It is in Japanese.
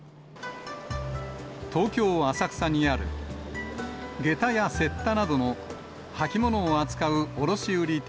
東京・浅草にある、げたやせったなどの履物を扱う卸売店。